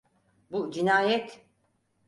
Bu cinayet.